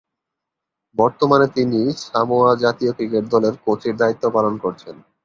বর্তমানে তিনি সামোয়া জাতীয় ক্রিকেট দলের কোচের দায়িত্ব পালন করছেন।